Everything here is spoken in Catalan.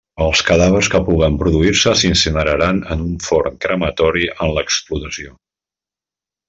Els cadàvers que puguen produir-se s'incineraran en un forn crematori en l'explotació.